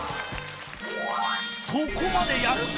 そこまでやるか！